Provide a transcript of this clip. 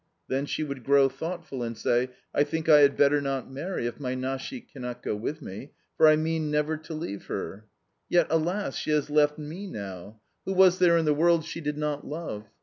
Then she would grow thoughtful and say, 'I think I had better not marry if my Nashik cannot go with me, for I mean never to leave her.' Yet, alas! She has left me now! Who was there in the world she did not love?